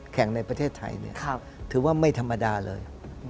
ในประเทศไทยถือว่าไม่ธรรมดาเลย